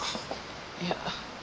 いや。